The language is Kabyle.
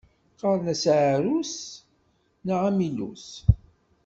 Qqaren-as aɛrus neɣ amillus.